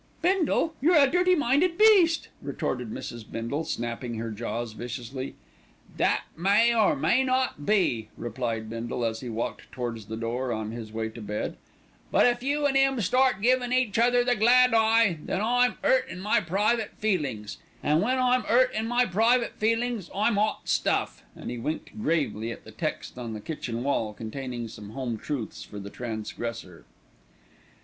"Bindle, you're a dirty minded beast," retorted Mrs. Bindle, snapping her jaws viciously. "That may, or may not be," replied Bindle as he walked towards the door on his way to bed; "but if you an' 'im start givin' each other the glad eye, then I'm 'urt in my private feelin's, an' when I'm 'urt in my private feelin's, I'm 'ot stuff," and he winked gravely at the text on the kitchen wall containing some home truths for the transgressor.